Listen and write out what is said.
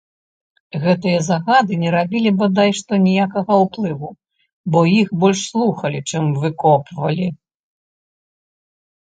Гэтыя загады не рабілі бадай што ніякага ўплыву, бо іх больш слухалі, чым выкопвалі.